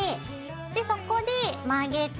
でそこで曲げて。